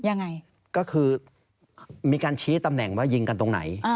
ยังไงก็คือมีการชี้ตำแหน่งว่ายิงกันตรงไหน